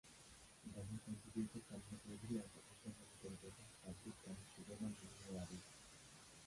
গানে কণ্ঠ দিয়েছেন সামিনা চৌধুরী, আসিফ আকবর, মমতাজ বেগম, সাব্বির, কানিজ সুবর্ণা, মিমি ও আরিফ।